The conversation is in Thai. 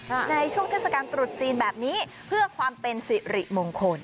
ในช่วงเทศกาลตรุษจีนแบบนี้เพื่อความเป็นสิริมงคล